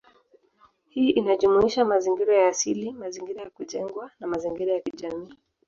Hii inajumuisha mazingira ya asili, mazingira ya kujengwa, na mazingira ya kijamii.